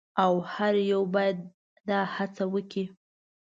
او هر یو باید دا هڅه وکړي.